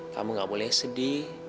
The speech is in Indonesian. kamu gak boleh sedih